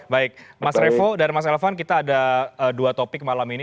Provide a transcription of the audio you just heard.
baik mas revo dan mas elvan kita ada dua topik malam ini